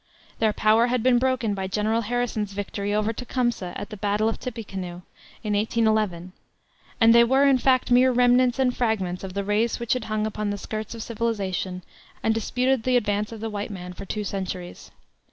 Their power had been broken by General Harrison's victory over Tecumseh at the battle of Tippecanoe, in 1811, and they were in fact mere remnants and fragments of the race which had hung upon the skirts of civilization, and disputed the advance of the white man for two centuries.